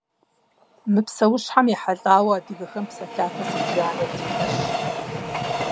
Мы псэущхьэм ехьэлӀауэ адыгэхэм псэлъафэ зыбжанэ диӀэщ.